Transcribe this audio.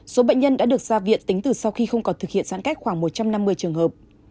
số bệnh nhân đã được ra viện tính từ sau khi không còn thực hiện giãn cách khoảng một trăm năm mươi trường hợp